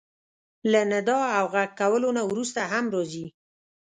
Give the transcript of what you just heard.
له ندا او غږ کولو نه وروسته هم راځي.